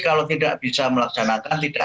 kalau tidak bisa melaksanakan tidak